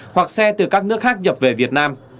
hoặc xe từ các nước khác nhập về việt nam